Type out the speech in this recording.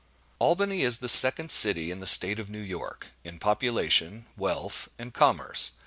Albany is the second city in the State of New York, in population, wealth, and commerce.